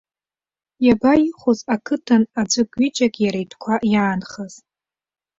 Иабаихәоз ақыҭан аӡәык-ҩыџьак иара итәқәа иаанхаз.